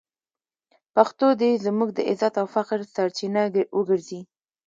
پښتو دې زموږ د عزت او فخر سرچینه وګرځي.